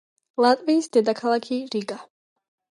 ლატვიის დედაქალაქია რიგა.